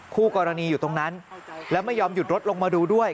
คู่กรณีอยู่ตรงนั้นแล้วไม่ยอมหยุดรถลงมาดูด้วย